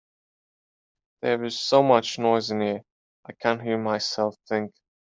There is so much noise in here, I can't hear myself think.